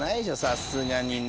さすがにね。